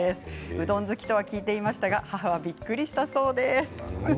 うどん好きとは聞いていましたが母はびっくりしたそうです。